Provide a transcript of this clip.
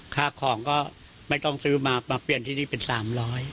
ค่าของก็ไม่ต้องซื้อมามาเปลี่ยนที่นี่เป็น๓๐๐บาท